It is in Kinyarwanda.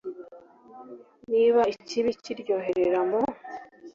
Niba ikibi kiryoherera mu